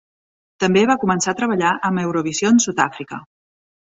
També va començar a treballar amb Eurovision Sud-Àfrica.